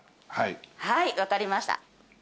はい分かりました。